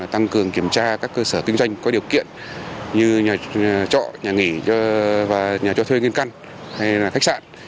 tăng cường kiểm tra các cơ sở kinh doanh có điều kiện như nhà trọ nhà nghỉ và nhà cho thuê nhân căn hay là khách sạn